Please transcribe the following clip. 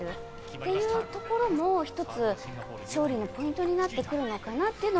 というところも１つ、勝利のポイントになってくるのかなっていう